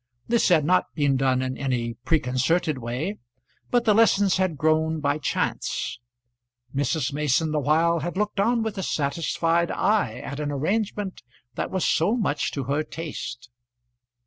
This had not been done in any preconcerted way, but the lessons had grown by chance. Mrs. Mason the while had looked on with a satisfied eye at an arrangement that was so much to her taste.